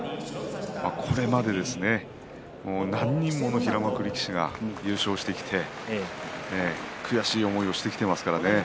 これまで何人もの平幕力士が優勝してきて悔しい思いをしてきていますからね。